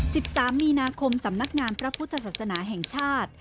สิบสามมีนาคมสำนักงานพระพุทธศาสนาแห่งชาติ